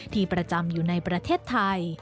ที่ประจำอยู่ในประเทศไทย